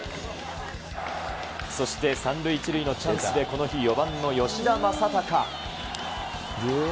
そして３塁１塁のチャンスで、この日４番の吉田正尚。